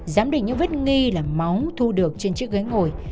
giám định những vết nghi là máu thu được trên chiếc ghế ngồi